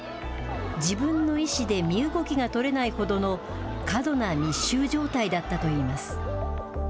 自分の意思で身動きが取れないほどの過度な密集状態だったといいます。